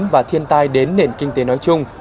và thiên tai đến nền kinh tế nói chung